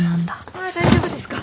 ああ大丈夫ですか？